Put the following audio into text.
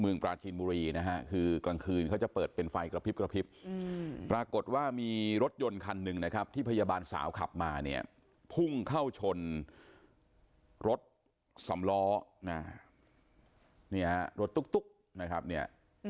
ปราจีนบุรีนะฮะคือกลางคืนเขาจะเปิดเป็นไฟกระพริบกระพริบปรากฏว่ามีรถยนต์คันหนึ่งนะครับที่พยาบาลสาวขับมาเนี่ยพุ่งเข้าชนรถสำล้อเนี่ยฮะรถตุ๊กนะครับเนี่ย